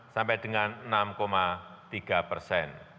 lima lima sampai dengan enam tiga persen